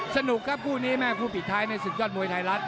สนุกครับคู่นี้แม่คู่ปิดท้ายในศึกยอดมวยไทยรัฐ